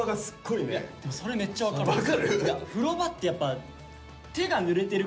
いやそれめっちゃ分かる。